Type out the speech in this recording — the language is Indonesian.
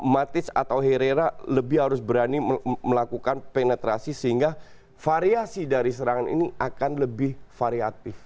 matic atau herrera lebih harus berani melakukan penetrasi sehingga variasi dari serangan ini akan lebih variatif